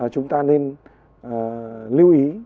chúng ta nên lưu ý